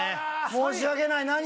申し訳ない何？